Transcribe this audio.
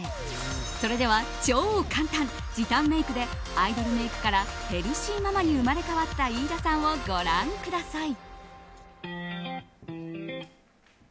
それでは、超簡単時短メイクでアイドルメイクからヘルシーママに生まれ変わった飯田さんをご覧ください。